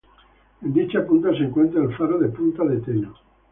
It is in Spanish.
En dicha punta se encuentra el Faro de Punta de Teno.